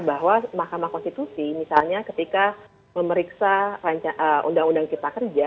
bahwa mahkamah konstitusi misalnya ketika memeriksa undang undang cipta kerja